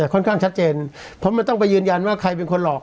ค่อนข้างชัดเจนเพราะมันต้องไปยืนยันว่าใครเป็นคนหลอก